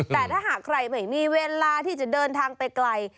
แต่ถ้าหากใครไม่มีเวลาที่จะเดินทางไปไกล